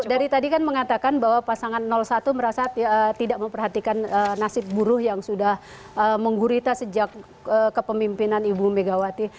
dari tadi kan mengatakan bahwa pasangan satu merasa tidak memperhatikan nasib buruh yang sudah menggurita sejak kepemimpinan ibu megawati